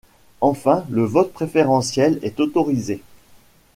Enfin, le vote préférentiel est autorisé.